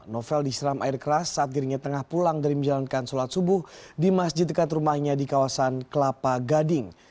novel disiram air keras saat dirinya tengah pulang dari menjalankan sholat subuh di masjid dekat rumahnya di kawasan kelapa gading